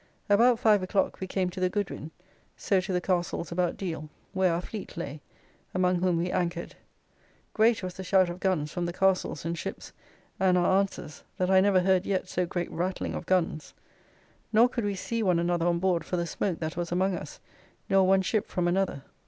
About five o'clock we came to the Goodwin, so to the Castles about Deal; where our Fleet lay, among whom we anchored. Great was the shout of guns from the castles and ships, and our answers, that I never heard yet so great rattling of guns. Nor could we see one another on board for the smoke that was among us, nor one ship from another.